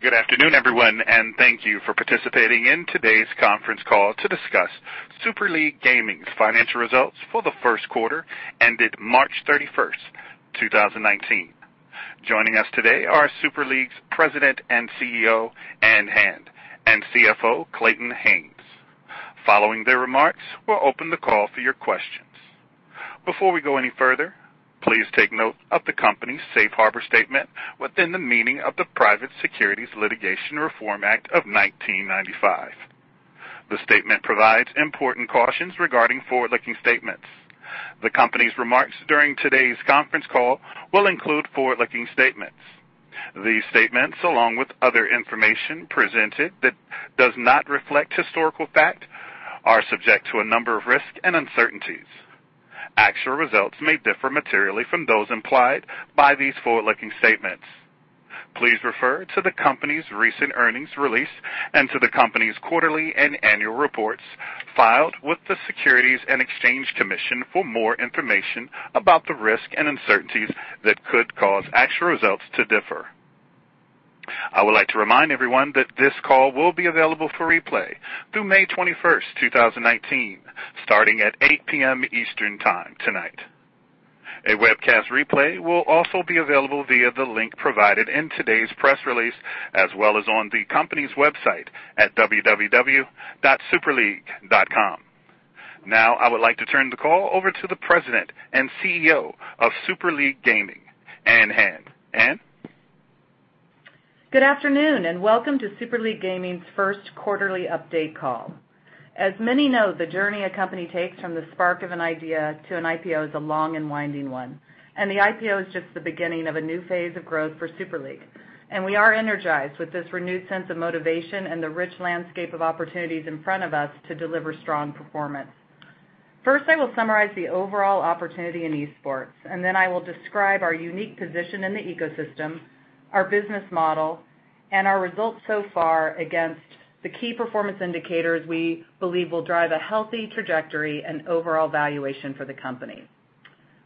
Good afternoon, everyone, thank you for participating in today's conference call to discuss Super League Gaming's financial results for the first quarter ended March 31st, 2019. Joining us today are Super League's President and CEO, Ann Hand, and CFO, Clayton Haynes. Following their remarks, we will open the call for your questions. Before we go any further, please take note of the company's safe harbor statement within the meaning of the Private Securities Litigation Reform Act of 1995. The statement provides important cautions regarding forward-looking statements. The company's remarks during today's conference call will include forward-looking statements. These statements, along with other information presented that does not reflect historical fact, are subject to a number of risks and uncertainties. Actual results may differ materially from those implied by these forward-looking statements. Please refer to the company's recent earnings release and to the company's quarterly and annual reports filed with the Securities and Exchange Commission for more information about the risks and uncertainties that could cause actual results to differ. I would like to remind everyone that this call will be available for replay through May 21st, 2019, starting at 8:00 P.M. Eastern Time tonight. A webcast replay will also be available via the link provided in today's press release, as well as on the company's website at www.superleague.com. I would like to turn the call over to the President and CEO of Super League Gaming, Ann Hand. Ann? Good afternoon, welcome to Super League Gaming's first quarterly update call. As many know, the journey a company takes from the spark of an idea to an IPO is a long and winding one, the IPO is just the beginning of a new phase of growth for Super League, we are energized with this renewed sense of motivation and the rich landscape of opportunities in front of us to deliver strong performance. I will summarize the overall opportunity in esports, then I will describe our unique position in the ecosystem, our business model, and our results so far against the key performance indicators we believe will drive a healthy trajectory and overall valuation for the company.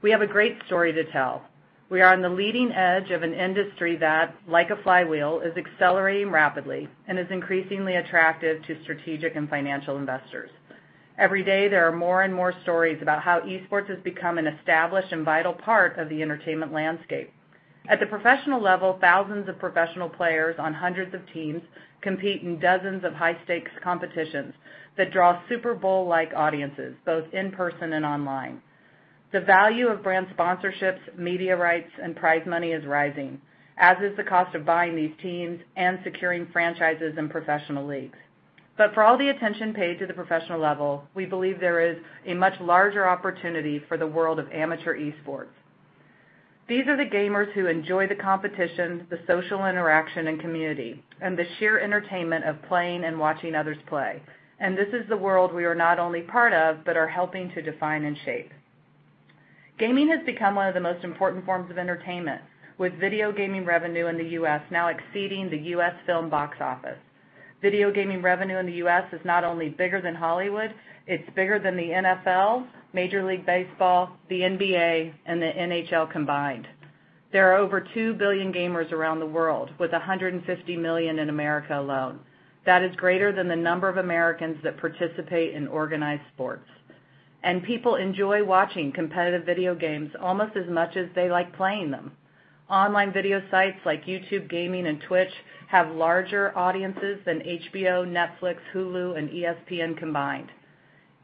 We have a great story to tell. We are on the leading edge of an industry that, like a flywheel, is accelerating rapidly and is increasingly attractive to strategic and financial investors. Every day, there are more and more stories about how esports has become an established and vital part of the entertainment landscape. At the professional level, thousands of professional players on hundreds of teams compete in dozens of high-stakes competitions that draw Super Bowl-like audiences, both in person and online. The value of brand sponsorships, media rights, and prize money is rising, as is the cost of buying these teams and securing franchises in professional leagues. For all the attention paid to the professional level, we believe there is a much larger opportunity for the world of amateur esports. These are the gamers who enjoy the competition, the social interaction and community, and the sheer entertainment of playing and watching others play. This is the world we are not only part of, but are helping to define and shape. Gaming has become one of the most important forms of entertainment, with video gaming revenue in the U.S. now exceeding the U.S. film box office. Video gaming revenue in the U.S. is not only bigger than Hollywood, it's bigger than the NFL, Major League Baseball, the NBA, and the NHL combined. There are over 2 billion gamers around the world, with 150 million in America alone. That is greater than the number of Americans that participate in organized sports. People enjoy watching competitive video games almost as much as they like playing them. Online video sites like YouTube Gaming and Twitch have larger audiences than HBO, Netflix, Hulu, and ESPN combined.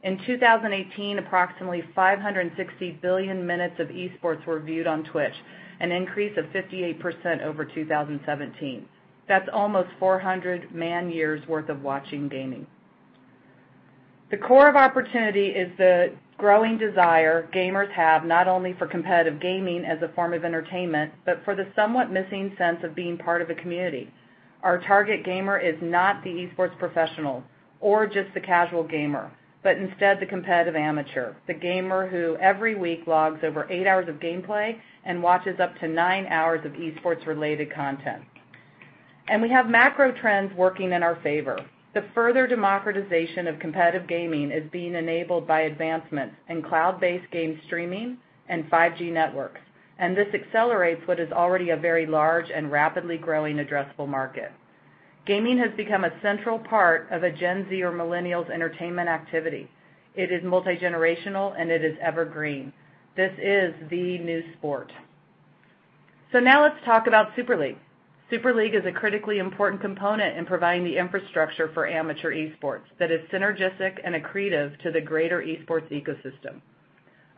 In 2018, approximately 560 billion minutes of esports were viewed on Twitch, an increase of 58% over 2017. That's almost 400 man-years worth of watching gaming. The core of opportunity is the growing desire gamers have, not only for competitive gaming as a form of entertainment, but for the somewhat missing sense of being part of a community. Our target gamer is not the esports professional or just the casual gamer, but instead the competitive amateur, the gamer who every week logs over eight hours of gameplay and watches up to nine hours of esports-related content. We have macro trends working in our favor. The further democratization of competitive gaming is being enabled by advancements in cloud-based game streaming and 5G networks, this accelerates what is already a very large and rapidly growing addressable market. Gaming has become a central part of a Gen Z or millennial's entertainment activity. It is multi-generational, it is evergreen. This is the new sport. Now let's talk about Super League. Super League is a critically important component in providing the infrastructure for amateur esports that is synergistic and accretive to the greater esports ecosystem.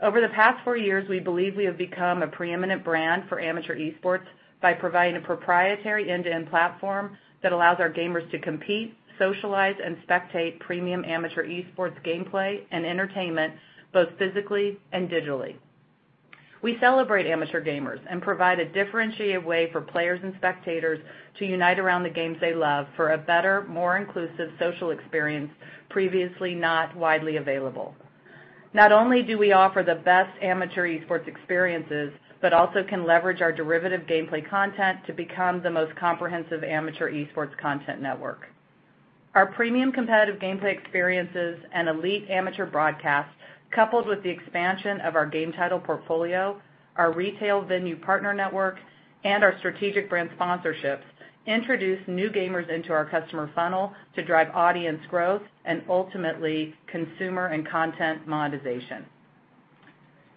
Over the past four years, we believe we have become a preeminent brand for amateur esports by providing a proprietary end-to-end platform that allows our gamers to compete, socialize, and spectate premium amateur esports gameplay and entertainment, both physically and digitally. We celebrate amateur gamers and provide a differentiated way for players and spectators to unite around the games they love for a better, more inclusive social experience previously not widely available. Not only do we offer the best amateur esports experiences, but also can leverage our derivative gameplay content to become the most comprehensive amateur esports content network. Our premium competitive gameplay experiences and elite amateur broadcasts, coupled with the expansion of our game title portfolio, our retail venue partner network, and our strategic brand sponsorships, introduce new gamers into our customer funnel to drive audience growth and ultimately consumer and content monetization.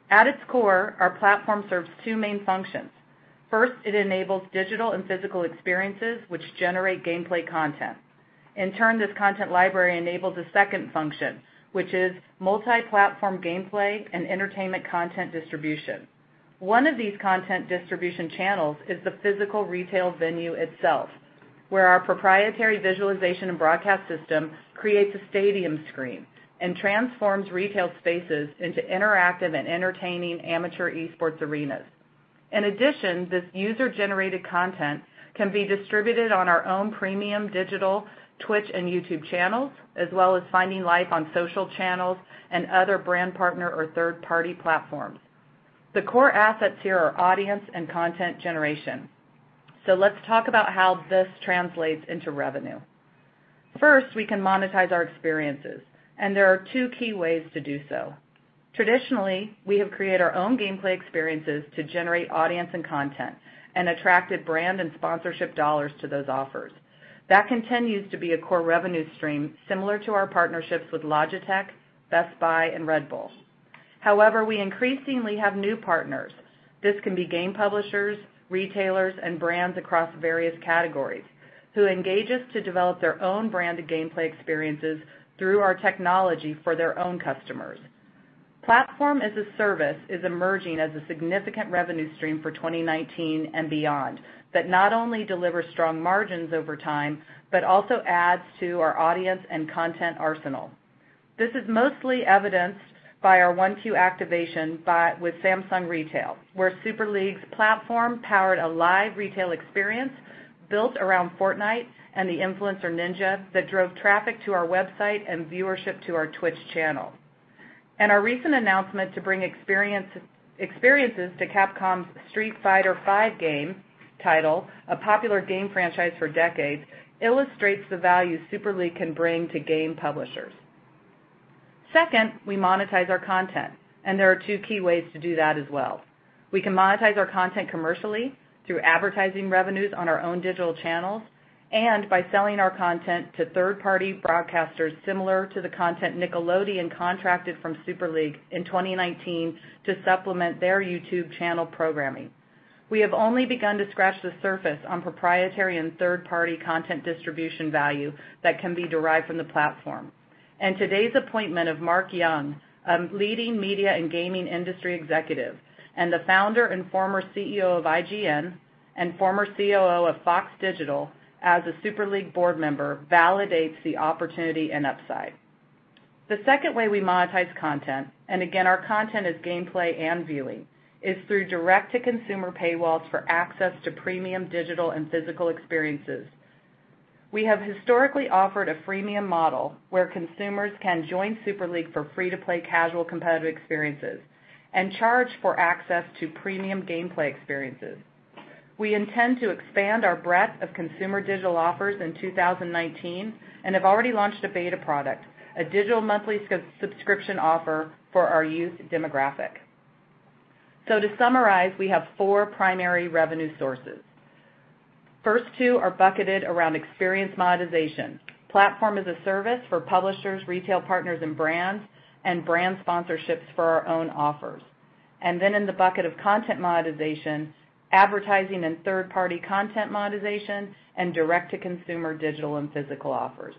At its core, our platform serves two main functions. First, it enables digital and physical experiences, which generate gameplay content. In turn, this content library enables a second function, which is multi-platform gameplay and entertainment content distribution. One of these content distribution channels is the physical retail venue itself, where our proprietary visualization and broadcast system creates a stadium screen and transforms retail spaces into interactive and entertaining amateur esports arenas. In addition, this user-generated content can be distributed on our own premium digital Twitch and YouTube channels, as well as finding life on social channels and other brand partner or third-party platforms. The core assets here are audience and content generation. Let's talk about how this translates into revenue. First, we can monetize our experiences, and there are two key ways to do so. Traditionally, we have created our own gameplay experiences to generate audience and content, and attracted brand and sponsorship dollars to those offers. That continues to be a core revenue stream similar to our partnerships with Logitech, Best Buy, and Red Bull. However, we increasingly have new partners. This can be game publishers, retailers, and brands across various categories who engage us to develop their own branded gameplay experiences through our technology for their own customers. Platform-as-a-service is emerging as a significant revenue stream for 2019 and beyond that not only delivers strong margins over time, but also adds to our audience and content arsenal. This is mostly evidenced by our 1Q activation with Samsung Retail, where Super League's platform powered a live retail experience built around Fortnite and the influencer Ninja that drove traffic to our website and viewership to our Twitch channel. Our recent announcement to bring experiences to Capcom's Street Fighter V game title, a popular game franchise for decades, illustrates the value Super League can bring to game publishers. Second, we monetize our content, and there are two key ways to do that as well. We can monetize our content commercially through advertising revenues on our own digital channels and by selling our content to third-party broadcasters similar to the content Nickelodeon contracted from Super League in 2019 to supplement their YouTube channel programming. We have only begun to scratch the surface on proprietary and third-party content distribution value that can be derived from the platform. Today's appointment of Mark Young, a leading media and gaming industry executive and the founder and former CEO of IGN and former COO of Fox Digital as a Super League board member validates the opportunity and upside. The second way we monetize content, and again, our content is gameplay and viewing, is through direct-to-consumer paywalls for access to premium digital and physical experiences. We have historically offered a freemium model where consumers can join Super League for free-to-play casual competitive experiences and charge for access to premium gameplay experiences. We intend to expand our breadth of consumer digital offers in 2019 and have already launched a beta product, a digital monthly subscription offer for our youth demographic. To summarize, we have four primary revenue sources. First two are bucketed around experience monetization. Platform-as-a-service for publishers, retail partners, and brands, and brand sponsorships for our own offers. In the bucket of content monetization, advertising and third-party content monetization and direct-to-consumer digital and physical offers.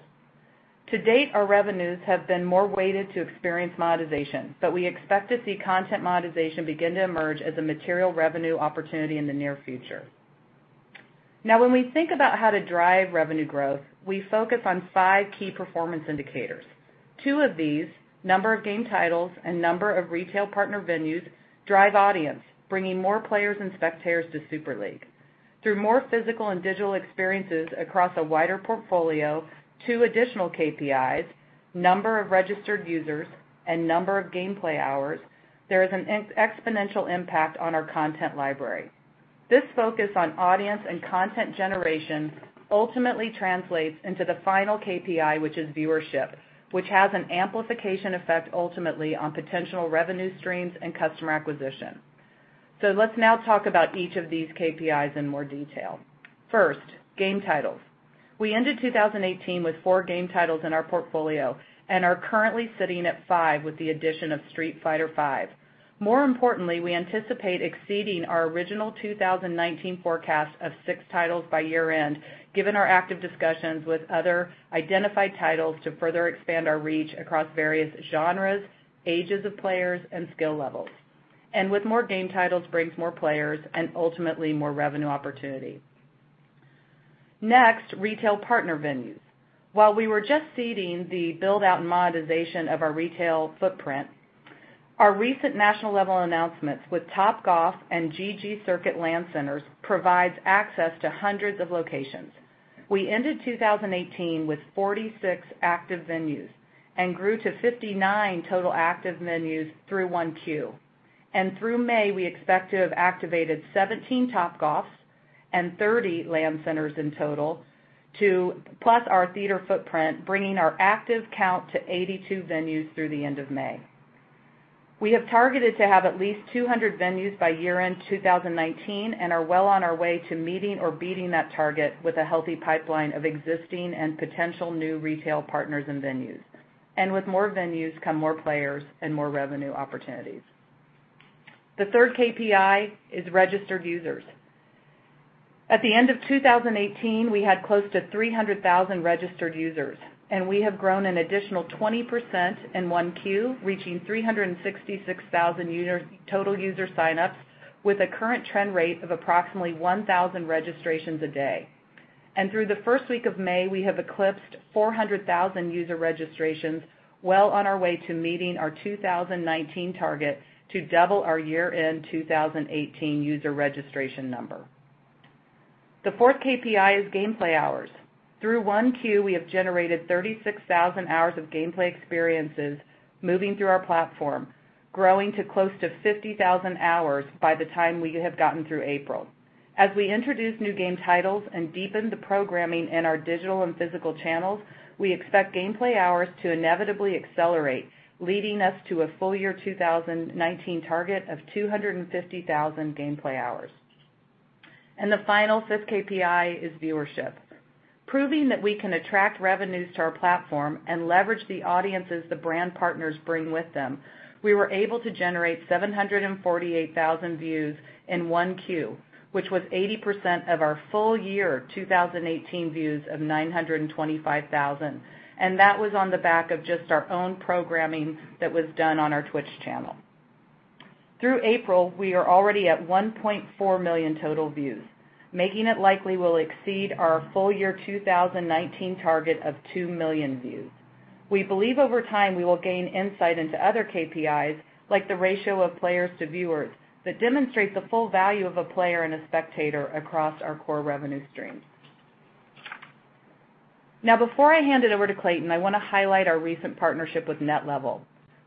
To date, our revenues have been more weighted to experience monetization, but we expect to see content monetization begin to emerge as a material revenue opportunity in the near future. Now, when we think about how to drive revenue growth, we focus on five key performance indicators. Two of these, number of game titles and number of retail partner venues, drive audience, bringing more players and spectators to Super League. Through more physical and digital experiences across a wider portfolio, two additional KPIs, number of registered users and number of gameplay hours, there is an exponential impact on our content library. This focus on audience and content generation ultimately translates into the final KPI, which is viewership, which has an amplification effect ultimately on potential revenue streams and customer acquisition. Let's now talk about each of these KPIs in more detail. First, game titles. We ended 2018 with four game titles in our portfolio and are currently sitting at five with the addition of Street Fighter V. More importantly, we anticipate exceeding our original 2019 forecast of six titles by year-end, given our active discussions with other identified titles to further expand our reach across various genres, ages of players, and skill levels. With more game titles brings more players and ultimately more revenue opportunity. Next, retail partner venues. While we were just seeding the build-out and monetization of our retail footprint, our recent national-level announcements with Topgolf and ggCircuit LAN centers provides access to hundreds of locations. We ended 2018 with 46 active venues and grew to 59 total active venues through 1Q. And through May, we expect to have activated 17 Topgolfs and 30 LAN Centers in total, plus our theater footprint, bringing our active count to 82 venues through the end of May. We have targeted to have at least 200 venues by year-end 2019, and are well on our way to meeting or beating that target with a healthy pipeline of existing and potential new retail partners and venues. With more venues, come more players and more revenue opportunities. The third KPI is registered users. At the end of 2018, we had close to 300,000 registered users, and we have grown an additional 20% in 1Q, reaching 366,000 total user sign-ups with a current trend rate of approximately 1,000 registrations a day. Through the first week of May, we have eclipsed 400,000 user registrations, well on our way to meeting our 2019 target to double our year-end 2018 user registration number. The fourth KPI is gameplay hours. Through 1Q, we have generated 36,000 hours of gameplay experiences moving through our platform, growing to close to 50,000 hours by the time we have gotten through April. As we introduce new game titles and deepen the programming in our digital and physical channels, we expect gameplay hours to inevitably accelerate, leading us to a full year 2019 target of 250,000 gameplay hours. The final fifth KPI is viewership. Proving that we can attract revenues to our platform and leverage the audiences the brand partners bring with them, we were able to generate 748,000 views in 1Q, which was 80% of our full year 2018 views of 925,000, and that was on the back of just our own programming that was done on our Twitch channel. Through April, we are already at 1.4 million total views, making it likely we'll exceed our full year 2019 target of 2 million views. We believe over time, we will gain insight into other KPIs, like the ratio of players to viewers, that demonstrate the full value of a player and a spectator across our core revenue streams. Before I hand it over to Clayton, I want to highlight our recent partnership with NetLevel,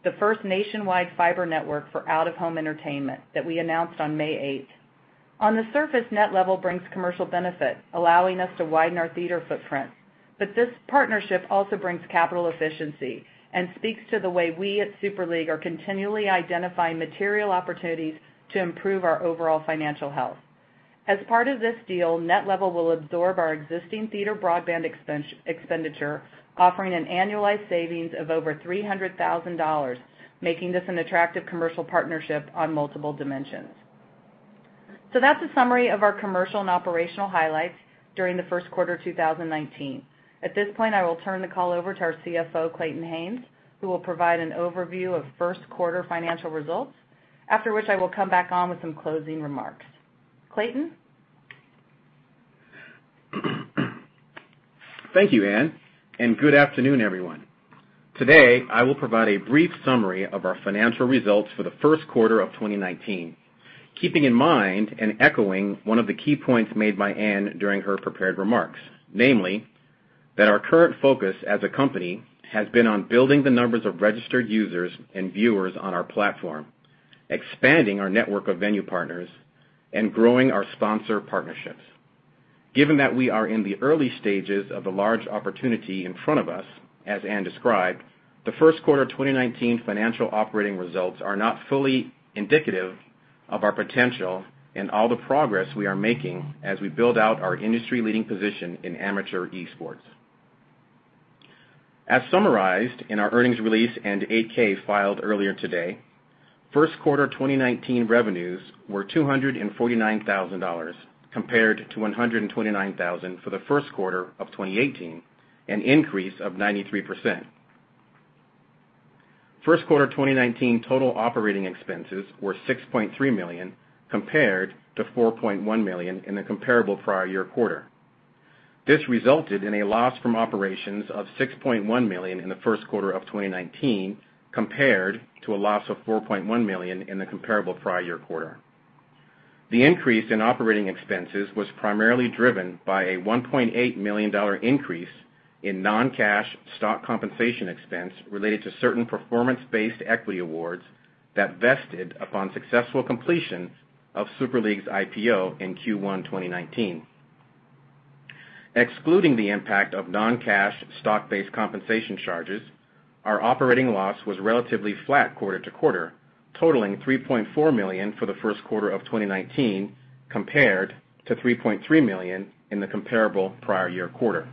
the first nationwide fiber network for out-of-home entertainment that we announced on May 8th. On the surface, NetLevel brings commercial benefit, allowing us to widen our theater footprint. This partnership also brings capital efficiency and speaks to the way we at Super League are continually identifying material opportunities to improve our overall financial health. As part of this deal, NetLevel will absorb our existing theater broadband expenditure, offering an annualized savings of over $300,000, making this an attractive commercial partnership on multiple dimensions. That's a summary of our commercial and operational highlights during the first quarter 2019. At this point, I will turn the call over to our CFO, Clayton Haynes, who will provide an overview of first quarter financial results. After which, I will come back on with some closing remarks. Clayton? Thank you, Ann, good afternoon, everyone. Today, I will provide a brief summary of our financial results for the first quarter of 2019. Keeping in mind and echoing one of the key points made by Ann during her prepared remarks, namely, that our current focus as a company has been on building the numbers of registered users and viewers on our platform, expanding our network of venue partners, and growing our sponsor partnerships. Given that we are in the early stages of the large opportunity in front of us, as Ann described, the first quarter 2019 financial operating results are not fully indicative of our potential and all the progress we are making as we build out our industry leading position in amateur esports. As summarized in our earnings release and 8-K filed earlier today, first quarter 2019 revenues were $249,000 compared to $129,000 for the first quarter of 2018, an increase of 93%. First quarter 2019 total operating expenses were $6.3 million, compared to $4.1 million in the comparable prior year quarter. This resulted in a loss from operations of $6.1 million in the first quarter of 2019, compared to a loss of $4.1 million in the comparable prior year quarter. The increase in operating expenses was primarily driven by a $1.8 million increase in non-cash stock compensation expense related to certain performance-based equity awards that vested upon successful completion of Super League's IPO in Q1 2019. Excluding the impact of non-cash stock-based compensation charges, our operating loss was relatively flat quarter to quarter, totaling $3.4 million for the first quarter of 2019, compared to $3.3 million in the comparable prior year quarter.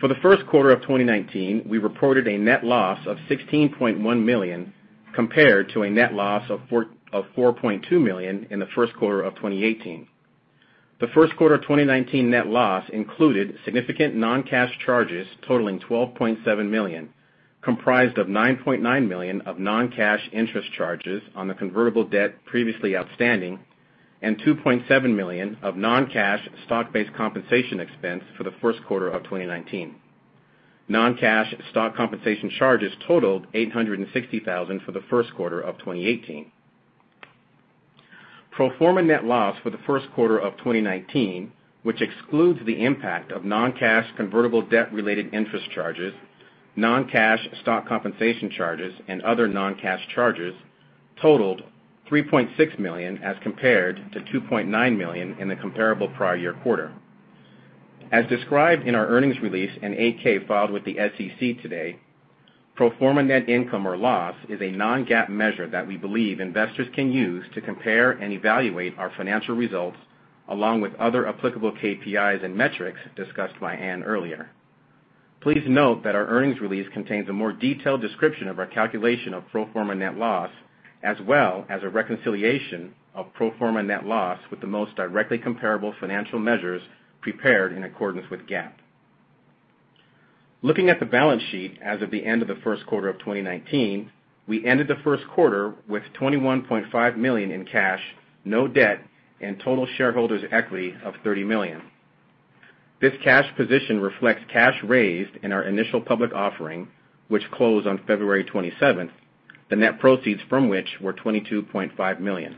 For the first quarter of 2019, we reported a net loss of $16.1 million, compared to a net loss of $4.2 million in the first quarter of 2018. The first quarter 2019 net loss included significant non-cash charges totaling $12.7 million, comprised of $9.9 million of non-cash interest charges on the convertible debt previously outstanding, and $2.7 million of non-cash stock-based compensation expense for the first quarter of 2019. Non-cash stock compensation charges totaled $860,000 for the first quarter of 2018. Pro forma net loss for the first quarter of 2019, which excludes the impact of non-cash convertible debt-related interest charges, non-cash stock compensation charges, and other non-cash charges totaled $3.6 million as compared to $2.9 million in the comparable prior year quarter. As described in our earnings release and 8-K filed with the SEC today, pro forma net income or loss is a non-GAAP measure that we believe investors can use to compare and evaluate our financial results, along with other applicable KPIs and metrics discussed by Ann earlier. Please note that our earnings release contains a more detailed description of our calculation of pro forma net loss, as well as a reconciliation of pro forma net loss with the most directly comparable financial measures prepared in accordance with GAAP. Looking at the balance sheet as of the end of the first quarter of 2019, we ended the first quarter with $21.5 million in cash, no debt, and total shareholders' equity of $30 million. This cash position reflects cash raised in our initial public offering, which closed on February 27th, the net proceeds from which were $22.5 million.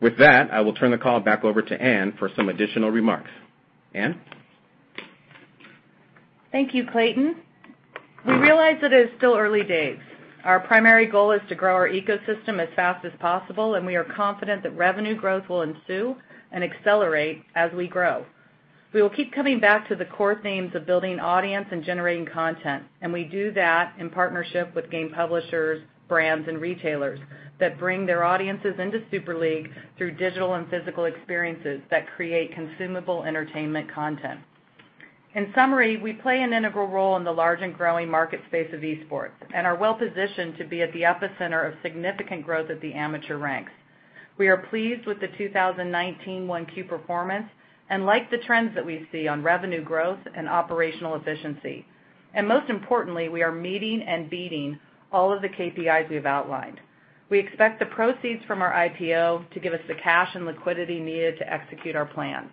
With that, I will turn the call back over to Ann for some additional remarks. Ann? Thank you, Clayton. We realize that it is still early days. Our primary goal is to grow our ecosystem as fast as possible. We are confident that revenue growth will ensue and accelerate as we grow. We will keep coming back to the core themes of building audience and generating content. We do that in partnership with game publishers, brands, and retailers that bring their audiences into Super League through digital and physical experiences that create consumable entertainment content. In summary, we play an integral role in the large and growing market space of esports and are well-positioned to be at the epicenter of significant growth at the amateur ranks. We are pleased with the 2019 1Q performance and like the trends that we see on revenue growth and operational efficiency. Most importantly, we are meeting and beating all of the KPIs we've outlined. We expect the proceeds from our IPO to give us the cash and liquidity needed to execute our plan.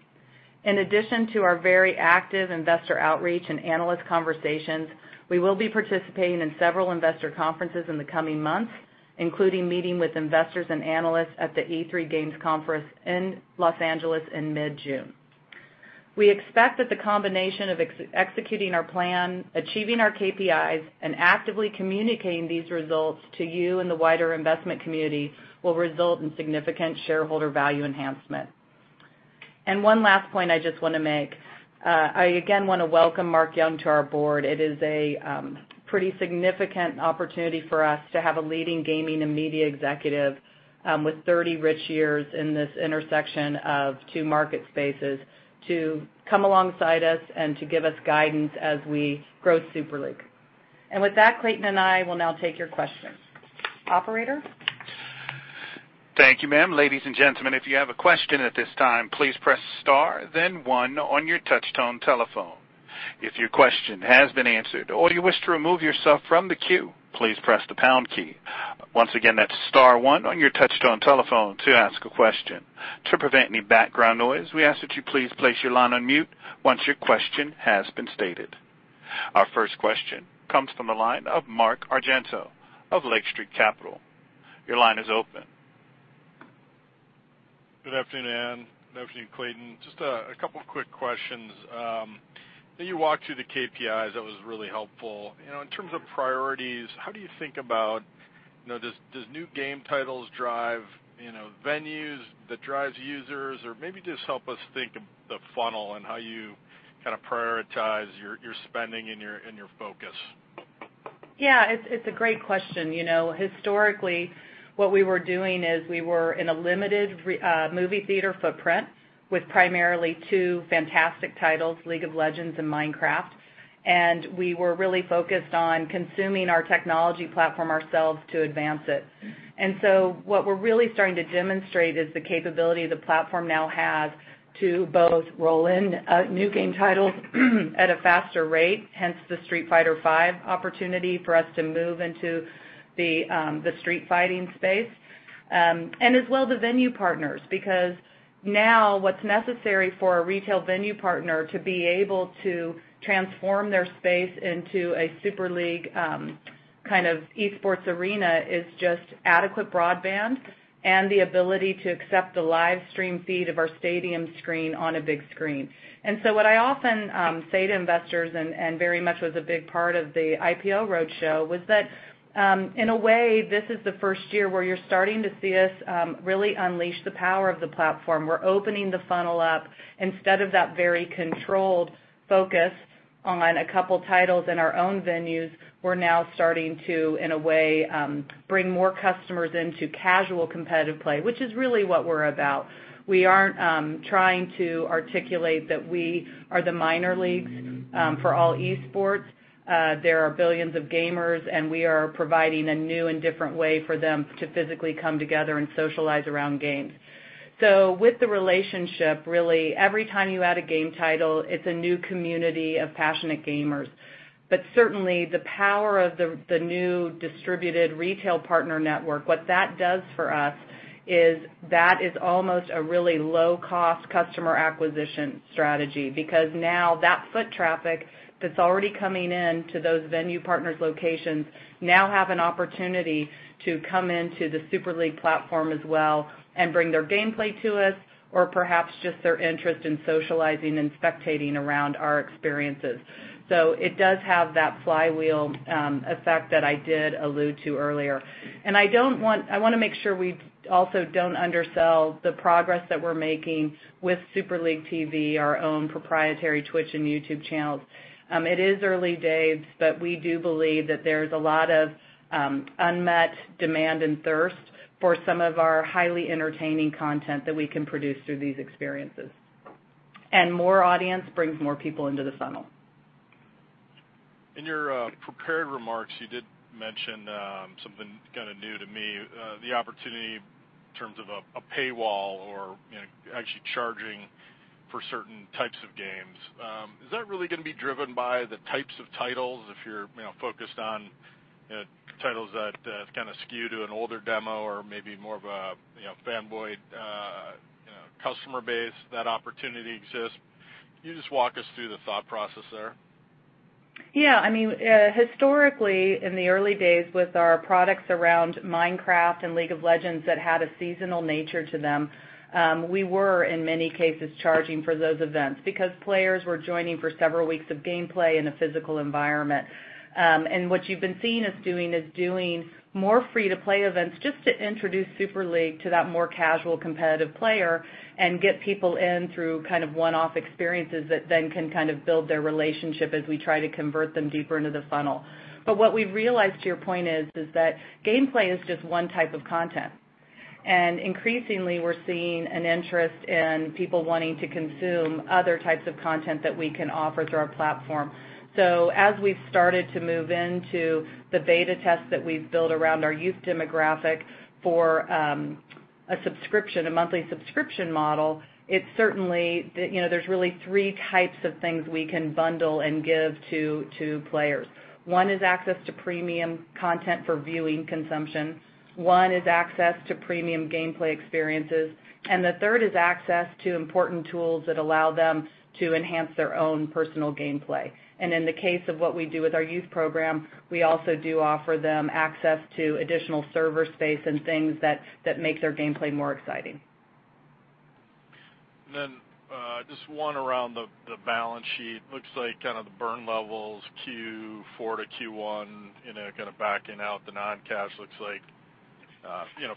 In addition to our very active investor outreach and analyst conversations, we will be participating in several investor conferences in the coming months, including meeting with investors and analysts at the E3 Games Conference in L.A. in mid-June. We expect that the combination of executing our plan, achieving our KPIs, and actively communicating these results to you and the wider investment community will result in significant shareholder value enhancement. One last point I just want to make. I again want to welcome Mark Young to our board. It is a pretty significant opportunity for us to have a leading gaming and media executive with 30 rich years in this intersection of two market spaces to come alongside us and to give us guidance as we grow Super League. With that, Clayton and I will now take your questions. Operator? Thank you, ma'am. Ladies and gentlemen, if you have a question at this time, please press star then one on your touch-tone telephone. If your question has been answered or you wish to remove yourself from the queue, please press the pound key. Once again, that's star one on your touch-tone telephone to ask a question. To prevent any background noise, we ask that you please place your line on mute once your question has been stated. Our first question comes from the line of Mark Argento of Lake Street Capital. Your line is open. Good afternoon, Ann. Good afternoon, Clayton. Just a couple quick questions. You walked through the KPIs. That was really helpful. In terms of priorities, how do you think about, does new game titles drive venues that drives users? Maybe just help us think of the funnel and how you prioritize your spending and your focus. Yeah. It's a great question. Historically, what we were doing is we were in a limited movie theater footprint with primarily two fantastic titles, League of Legends and Minecraft, and we were really focused on consuming our technology platform ourselves to advance it. What we're really starting to demonstrate is the capability the platform now has to both roll in new game titles at a faster rate, hence the Street Fighter V opportunity for us to move into the street fighting space. As well, the venue partners, because now what's necessary for a retail venue partner to be able to transform their space into a Super League kind of esports arena is just adequate broadband and the ability to accept the live stream feed of our stadium screen on a big screen. What I often say to investors and very much was a big part of the IPO roadshow, was that in a way, this is the first year where you're starting to see us really unleash the power of the platform. We're opening the funnel up. Instead of that very controlled focus on a couple titles in our own venues, we're now starting to, in a way, bring more customers into casual competitive play, which is really what we're about. We aren't trying to articulate that we are the minor leagues for all esports. There are billions of gamers, and we are providing a new and different way for them to physically come together and socialize around games. With the relationship, really, every time you add a game title, it's a new community of passionate gamers. Certainly, the power of the new distributed retail partner network, what that does for us is that is almost a really low-cost customer acquisition strategy, because now that foot traffic that's already coming in to those venue partners locations now have an opportunity to come into the Super League platform as well and bring their gameplay to us or perhaps just their interest in socializing and spectating around our experiences. It does have that flywheel effect that I did allude to earlier. I want to make sure we also don't undersell the progress that we're making with SuperLeagueTV, our own proprietary Twitch and YouTube channels. It is early days, but we do believe that there's a lot of unmet demand and thirst for some of our highly entertaining content that we can produce through these experiences. More audience brings more people into the funnel. In your prepared remarks, you did mention something kind of new to me, the opportunity in terms of a paywall or actually charging for certain types of games. Is that really going to be driven by the types of titles? If you're focused on titles that kind of skew to an older demo or maybe more of a fanboy customer base, that opportunity exists. Can you just walk us through the thought process there? Yeah. Historically, in the early days with our products around Minecraft and League of Legends that had a seasonal nature to them, we were, in many cases, charging for those events because players were joining for several weeks of gameplay in a physical environment. What you've been seeing us doing is doing more free-to-play events just to introduce Super League to that more casual competitive player and get people in through kind of one-off experiences that then can kind of build their relationship as we try to convert them deeper into the funnel. What we've realized to your point is that gameplay is just one type of content. Increasingly, we're seeing an interest in people wanting to consume other types of content that we can offer through our platform. As we've started to move into the beta tests that we've built around our youth demographic for a monthly subscription model, there's really three types of things we can bundle and give to players. One is access to premium content for viewing consumption, one is access to premium gameplay experiences, and the third is access to important tools that allow them to enhance their own personal gameplay. In the case of what we do with our youth program, we also do offer them access to additional server space and things that make their gameplay more exciting. Then just one around the balance sheet. Looks like kind of the burn levels, Q4 to Q1, kind of backing out the non-cash looks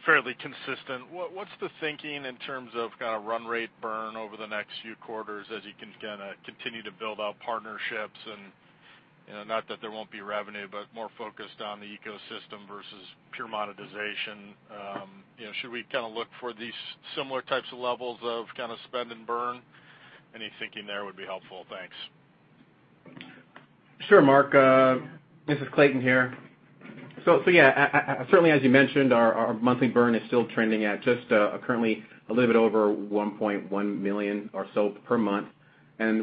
fairly consistent. What's the thinking in terms of kind of run rate burn over the next few quarters as you continue to build out partnerships and, not that there won't be revenue, but more focused on the ecosystem versus pure monetization? Should we kind of look for these similar types of levels of kind of spend and burn? Any thinking there would be helpful. Thanks. Sure, Mark. This is Clayton here. Yeah, certainly as you mentioned, our monthly burn is still trending at just currently a little bit over $1.1 million or so per month.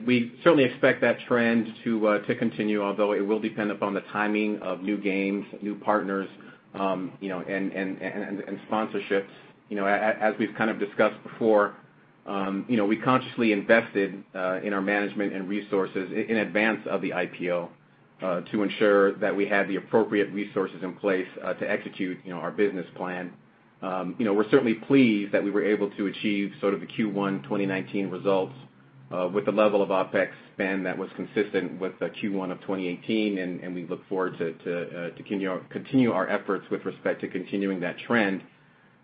We certainly expect that trend to continue, although it will depend upon the timing of new games, new partners, and sponsorships. As we've kind of discussed before, we consciously invested in our management and resources in advance of the IPO to ensure that we had the appropriate resources in place to execute our business plan. We're certainly pleased that we were able to achieve sort of the Q1 2019 results with a level of OpEx spend that was consistent with the Q1 of 2018. We look forward to continue our efforts with respect to continuing that trend.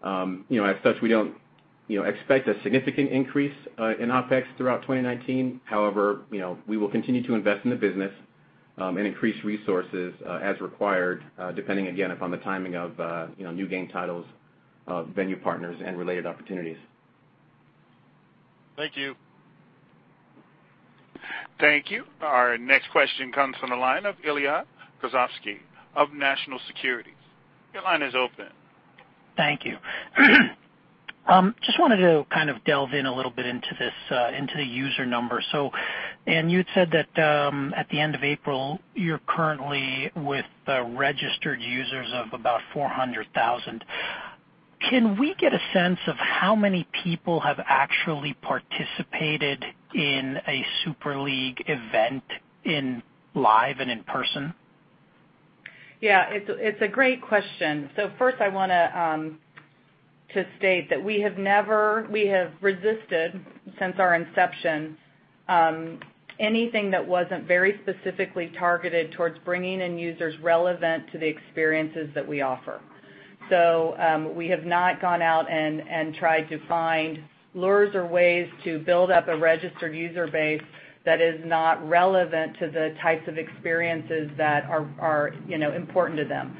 As such, we don't expect a significant increase in OpEx throughout 2019. we will continue to invest in the business and increase resources as required, depending again upon the timing of new game titles, venue partners, and related opportunities. Thank you. Thank you. Our next question comes from the line of Ilya Kazansky of National Securities. Your line is open. Thank you. Just wanted to kind of delve in a little bit into the user numbers. Ann, you'd said that at the end of April, you're currently with registered users of about 400,000. Can we get a sense of how many people have actually participated in a Super League event in live and in person? It's a great question. First I want to state that we have resisted since our inception anything that wasn't very specifically targeted towards bringing in users relevant to the experiences that we offer. We have not gone out and tried to find lures or ways to build up a registered user base that is not relevant to the types of experiences that are important to them.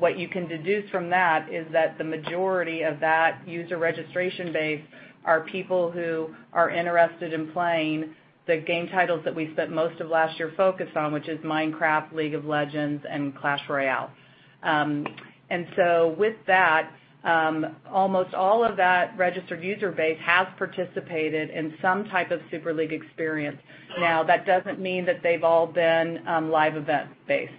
What you can deduce from that is that the majority of that user registration base are people who are interested in playing the game titles that we spent most of last year focused on, which is Minecraft, League of Legends, and Clash Royale. With that, almost all of that registered user base has participated in some type of Super League experience. Now, that doesn't mean that they've all been live event based.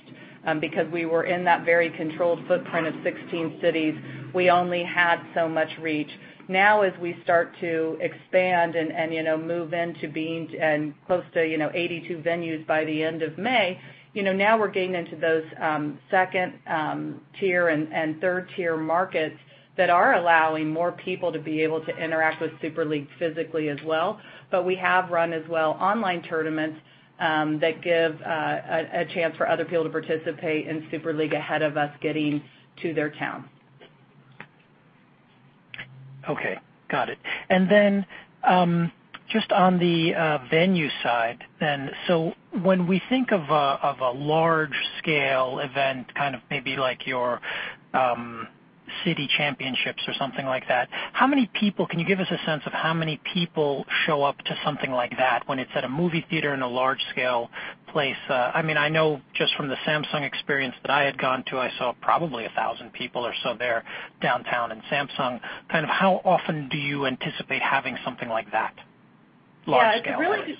Because we were in that very controlled footprint of 16 cities, we only had so much reach. Now, as we start to expand and move into being close to 82 venues by the end of May, now we're getting into those 2nd tier and 3rd-tier markets that are allowing more people to be able to interact with Super League physically as well. We have run as well online tournaments, that give a chance for other people to participate in Super League ahead of us getting to their town. Got it. Just on the venue side then, when we think of a large-scale event, kind of maybe like your city championships or something like that. Can you give us a sense of how many people show up to something like that when it's at a movie theater in a large-scale place? I know just from the Samsung experience that I had gone to, I saw probably 1,000 people or so there downtown in Samsung. Kind of how often do you anticipate having something like that, large scale at least?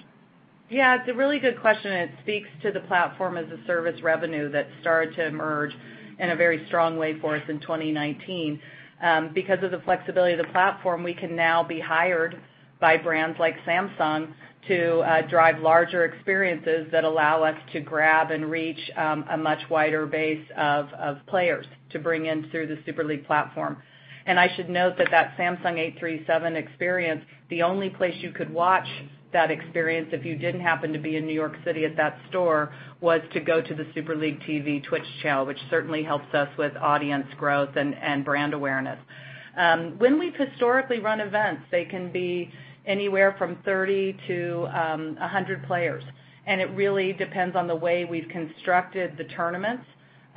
It's a really good question, and it speaks to the Platform-as-a-service revenue that started to emerge in a very strong way for us in 2019. Because of the flexibility of the platform, we can now be hired by brands like Samsung to drive larger experiences that allow us to grab and reach a much wider base of players to bring in through the Super League platform. I should note that that Samsung 837 experience, the only place you could watch that experience if you didn't happen to be in New York City at that store, was to go to the SuperLeagueTV Twitch channel, which certainly helps us with audience growth and brand awareness. When we've historically run events, they can be anywhere from 30 to 100 players, and it really depends on the way we've constructed the tournaments.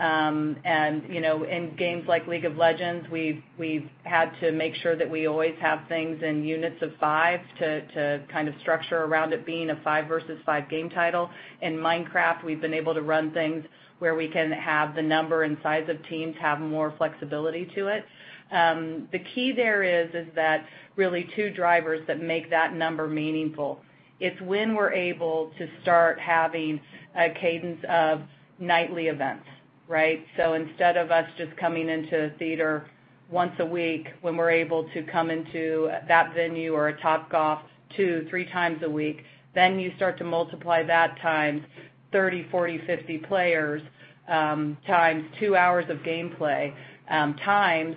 In games like League of Legends, we've had to make sure that we always have things in units of five to kind of structure around it being a five versus five game title. In Minecraft, we've been able to run things where we can have the number and size of teams have more flexibility to it. The key there is that really two drivers that make that number meaningful. It's when we're able to start having a cadence of nightly events, right? Instead of us just coming into a theater once a week, when we're able to come into that venue or a Topgolf two, three times a week. You start to multiply that times 30, 40, 50 players, times two hours of gameplay, times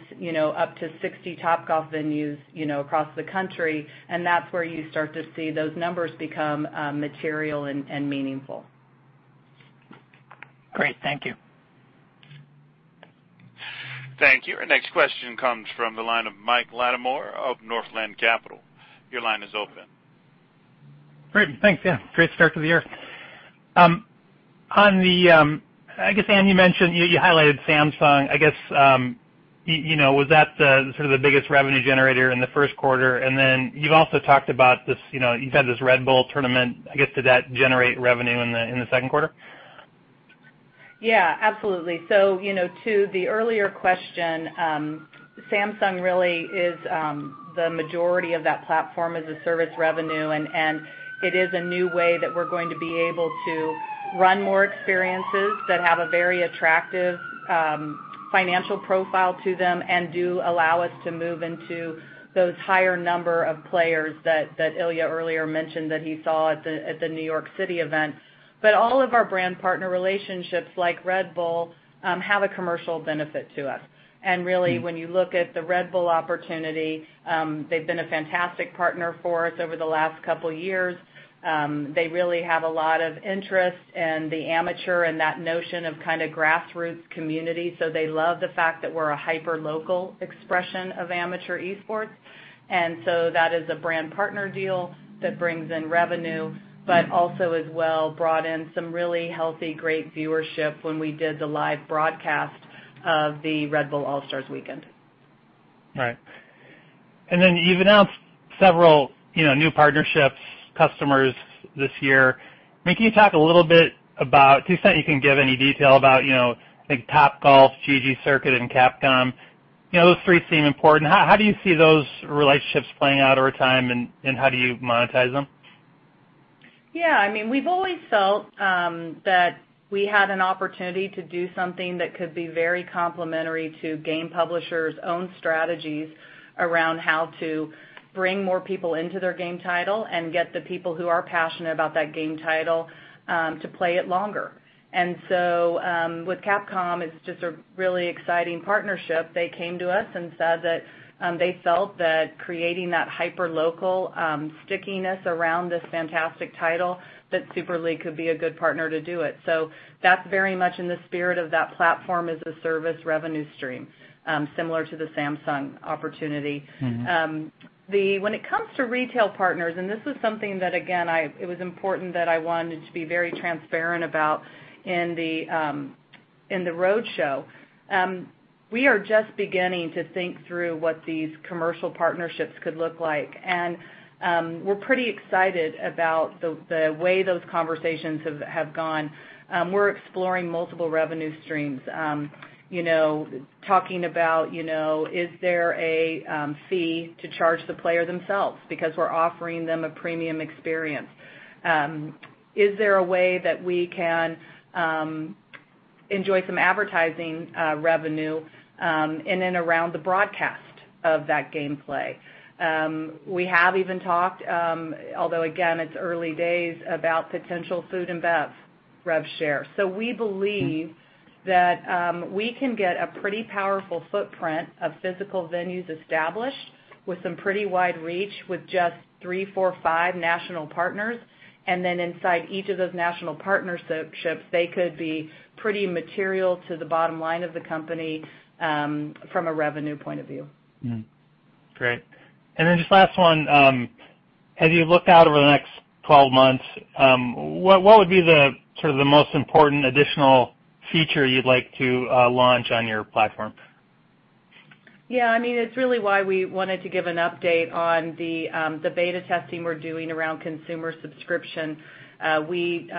up to 60 Topgolf venues across the country, and that's where you start to see those numbers become material and meaningful. Great. Thank you. Thank you. Our next question comes from the line of Mike Latimore of Northland Capital. Your line is open. Great. Thanks. Yeah. Great start to the year. I guess, Ann, you mentioned you highlighted Samsung. Was that the sort of the biggest revenue generator in the first quarter? You've also talked about you've had this Red Bull tournament. Did that generate revenue in the second quarter? Yeah, absolutely. To the earlier question, Samsung really is the majority of that platform-as-a-service revenue, and it is a new way that we're going to be able to run more experiences that have a very attractive financial profile to them and do allow us to move into those higher number of players that Ilya earlier mentioned that he saw at the New York City event. All of our brand partner relationships, like Red Bull, have a commercial benefit to us. Really, when you look at the Red Bull opportunity, they've been a fantastic partner for us over the last couple of years. They really have a lot of interest in the amateur and that notion of kind of grassroots community, so they love the fact that we're a hyper-local expression of amateur esports. That is a brand partner deal that brings in revenue, also as well brought in some really healthy, great viewership when we did the live broadcast of the Red Bull All-Stars weekend. Right. You've announced several new partnerships, customers this year. Can you talk a little bit about, to the extent you can give any detail about, like Topgolf, ggCircuit, and Capcom? Those three seem important. How do you see those relationships playing out over time, and how do you monetize them? Yeah. We've always felt that we had an opportunity to do something that could be very complementary to game publishers' own strategies around how to bring more people into their game title and get the people who are passionate about that game title to play it longer. With Capcom, it's just a really exciting partnership. They came to us and said that they felt that creating that hyper-local stickiness around this fantastic title, that Super League could be a good partner to do it. That's very much in the spirit of that platform-as-a-service revenue stream, similar to the Samsung opportunity. When it comes to retail partners, this is something that, again, it was important that I wanted to be very transparent about in the roadshow. We are just beginning to think through what these commercial partnerships could look like, and we're pretty excited about the way those conversations have gone. We're exploring multiple revenue streams. Talking about is there a fee to charge the player themselves because we're offering them a premium experience? Is there a way that we can enjoy some advertising revenue in and around the broadcast of that game play? We have even talked, although again, it's early days, about potential food and bev rev share. We believe that we can get a pretty powerful footprint of physical venues established with some pretty wide reach with just three, four, five national partners, inside each of those national partnerships, they could be pretty material to the bottom line of the company from a revenue point of view. Great. Just last one, as you look out over the next 12 months, what would be the most important additional feature you'd like to launch on your platform? It's really why we wanted to give an update on the beta testing we're doing around consumer subscription. We,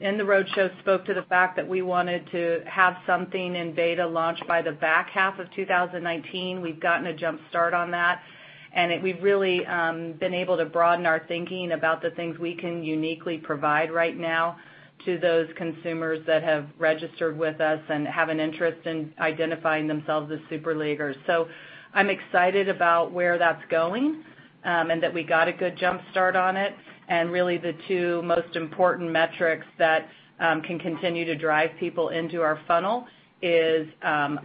in the roadshow, spoke to the fact that we wanted to have something in beta launch by the back half of 2019. We've gotten a jumpstart on that, and we've really been able to broaden our thinking about the things we can uniquely provide right now to those consumers that have registered with us and have an interest in identifying themselves as Super Leaguers. I'm excited about where that's going and that we got a good jumpstart on it, really the two most important metrics that can continue to drive people into our funnel is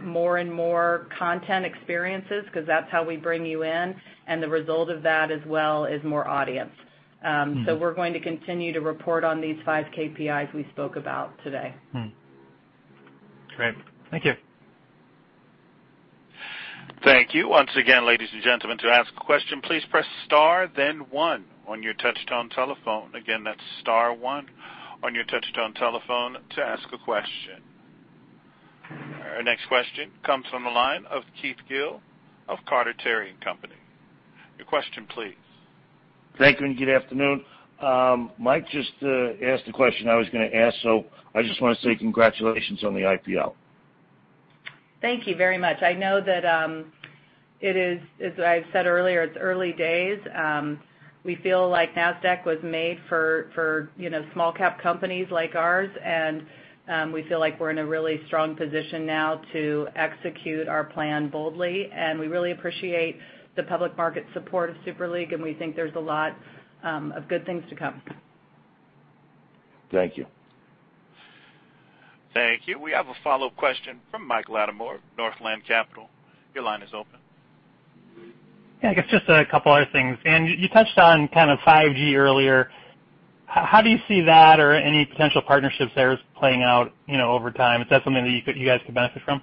more and more content experiences, because that's how we bring you in, and the result of that as well is more audience. We're going to continue to report on these five KPIs we spoke about today. Great. Thank you. Thank you. Once again, ladies and gentlemen, to ask a question, please press star then one on your touch-tone telephone. Again, that's star one on your touch-tone telephone to ask a question. Our next question comes from the line of Keith Gill of Carter, Terry & Company. Your question please. Thank you. Good afternoon. Mike just asked the question I was going to ask, I just want to say congratulations on the IPO. Thank you very much. I know that as I've said earlier, it's early days. We feel like Nasdaq was made for small-cap companies like ours, and we feel like we're in a really strong position now to execute our plan boldly, and we really appreciate the public market support of Super League, and we think there's a lot of good things to come. Thank you. Thank you. We have a follow-up question from Mike Latimore, Northland Capital. Your line is open. Yeah, I guess just a couple other things. Ann, you touched on 5G earlier. How do you see that or any potential partnerships there as playing out over time? Is that something that you guys could benefit from?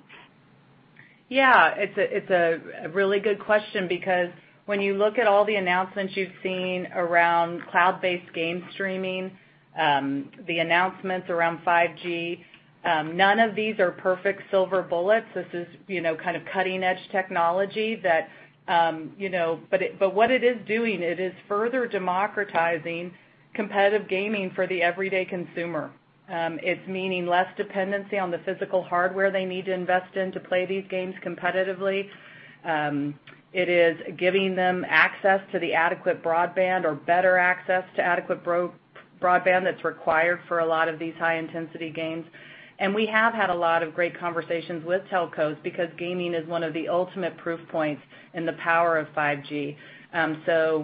Yeah. It's a really good question because when you look at all the announcements you've seen around cloud-based game streaming, the announcements around 5G, none of these are perfect silver bullets. This is cutting-edge technology. What it is doing, it is further democratizing competitive gaming for the everyday consumer. It's meaning less dependency on the physical hardware they need to invest in to play these games competitively. It is giving them access to the adequate broadband or better access to adequate broadband that's required for a lot of these high-intensity games. We have had a lot of great conversations with telcos because gaming is one of the ultimate proof points in the power of 5G.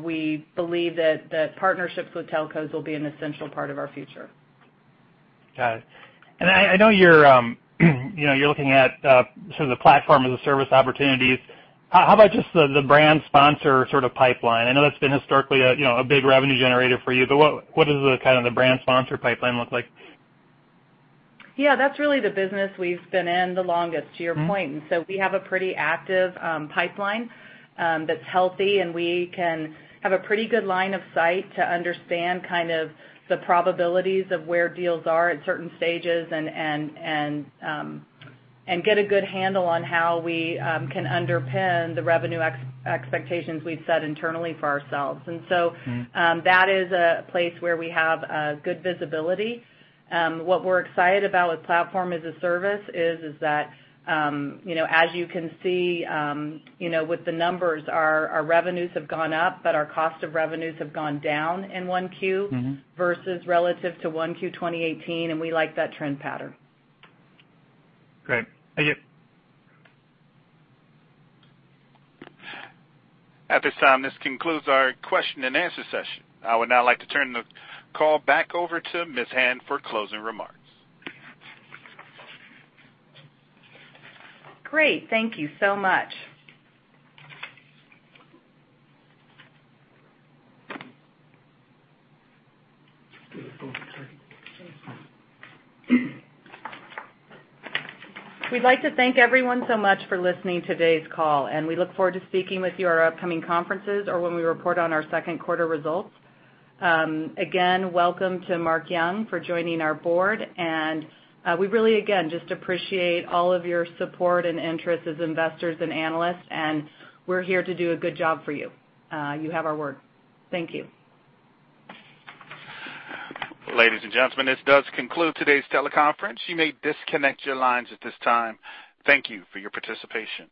We believe that partnerships with telcos will be an essential part of our future. Got it. I know you're looking at the Platform-as-a-service opportunities. How about just the brand sponsor pipeline? I know that's been historically a big revenue generator for you, what does the brand sponsor pipeline look like? Yeah, that's really the business we've been in the longest, to your point. We have a pretty active pipeline that's healthy, and we can have a pretty good line of sight to understand the probabilities of where deals are at certain stages and get a good handle on how we can underpin the revenue expectations we've set internally for ourselves. That is a place where we have good visibility. What we're excited about with Platform-as-a-service is that as you can see with the numbers, our revenues have gone up, but our cost of revenues have gone down in 1Q versus relative to 1Q 2018, and we like that trend pattern. Great. Thank you. At this time, this concludes our question-and-answer session. I would now like to turn the call back over to Ms. Hand for closing remarks. Great. Thank you so much. We'd like to thank everyone so much for listening to today's call. We look forward to speaking with you on our upcoming conferences or when we report on our second quarter results. Again, welcome to Mark Young for joining our board. We really, again, just appreciate all of your support and interest as investors and analysts. We're here to do a good job for you. You have our word. Thank you. Ladies and gentlemen, this does conclude today's teleconference. You may disconnect your lines at this time. Thank you for your participation.